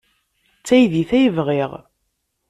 D taydit-a ay bɣiɣ.